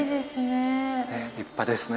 ええ立派ですね。